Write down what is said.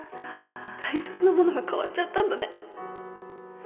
大切なものが変わっちゃったんだね